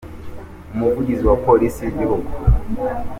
umuvugizi wa polisi y’igihugu